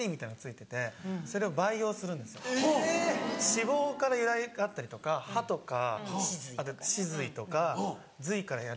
脂肪から由来あったりとか歯とかあと歯髄とか髄からやるんですけど。